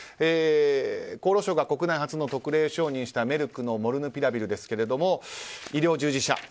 厚労省が国内初の特例承認したメルクのモルヌピラビルですが医療従事者